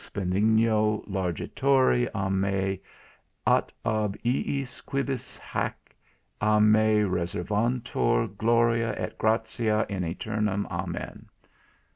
benigno largitori, á me, at ab iis quibus hæc à me reservantur, gloria et gratia in æternum. Amen."